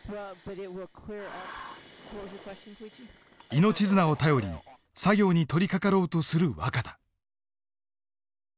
命綱を頼りに作業に取りかかろうとする若田。